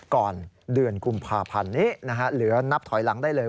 ก่อนเดือนกุมภาพันธ์นี้นะฮะเหลือนับถอยหลังได้เลย